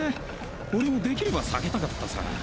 俺もできれば避けたかったさ。